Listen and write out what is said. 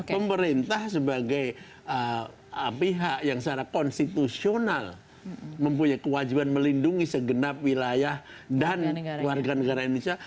pemerintah sebagai pihak yang secara konstitusional mempunyai kewajiban melindungi segenap wilayah dan warga negara indonesia